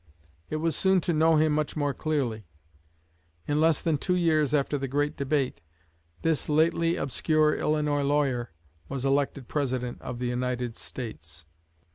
It was soon to know him much more clearly. In less than two years after the great debate this lately obscure Illinois lawyer was elected President of the United States.